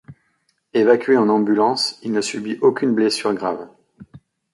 Évacué en ambulance, il ne subit aucune blessure grave.